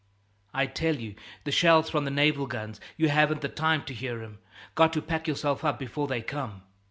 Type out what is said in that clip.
"I tell you, the shells from the naval guns, you haven't the time to hear 'em. Got to pack yourself up before they come."